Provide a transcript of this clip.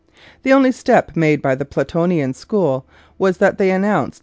The only step made by the Platonian school was that they announced 167 (^\